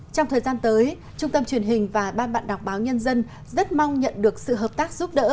trong thời gian tới trung tâm truyền hình và ban bạn đọc báo nhân dân rất mong nhận được sự hợp tác giúp đỡ